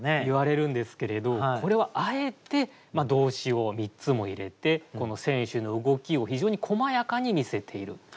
言われるんですけれどこれはあえて動詞を３つも入れてこの選手の動きを非常にこまやかに見せている。